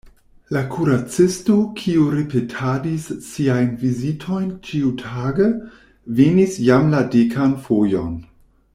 La kuracisto, kiu ripetadis siajn vizitojn ĉiutage, venis jam la dekan fojon.